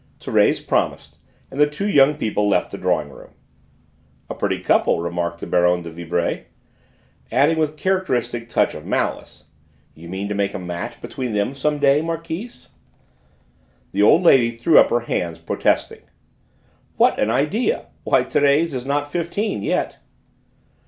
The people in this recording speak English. Thérèse promised, and the two young people left the drawing room. "A pretty couple," remarked the Baronne de Vibray, adding with a characteristic touch of malice, "you mean to make a match between them some day, Marquise?" The old lady threw up her hands protesting. "What an idea! Why, Thérèse is not fifteen yet."